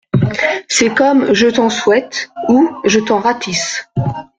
C’est comme "Je t’en souhaite"… ou "Je t’en ratisse"…